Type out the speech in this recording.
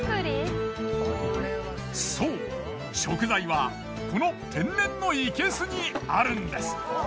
そう食材はこの天然の生け簀にあるんです。